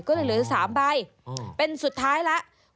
ก็เลยเหลือ๓ใบเป็นสุดท้ายแล้ว